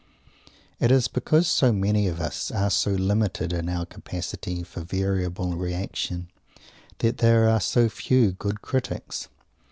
It is because so many of us are so limited in our capacity for "variable reaction" that there are so few good critics.